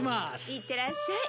いってらっしゃい。